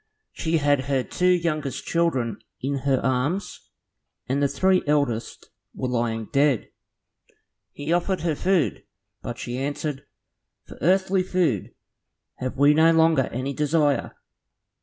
She had her two youngest children in her arms, and the three eldest were lying dead. He offered her food, but she answered, "For earthly food have we no longer any desire.